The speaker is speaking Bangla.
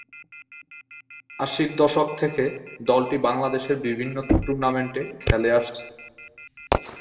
আশির দশক থেকে দলটি বাংলাদেশের বিভিন্ন টুর্নামেন্টে খেলে আসছে।